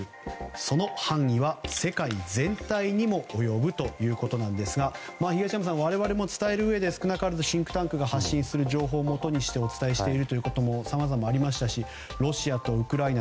その範囲は世界全体にも及ぶということですが東山さん、我々も伝えるうえで少なからずシンクタンクが発信する情報をもとにしてお伝えしていることもさまざまありましたしロシアとウクライナ